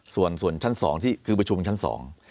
ส่วนส่วนชั้นสองที่คือประชุมชั้นสอง